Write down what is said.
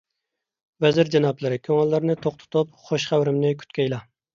ۋەزىر جانابلىرى، كۆڭۈللىرىنى توق تۇتۇپ خۇش خەۋىرىمنى كۈتكەيلا.